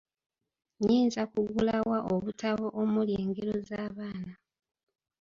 Nnyinza kugula wa obutabo omuli engero z'abaana?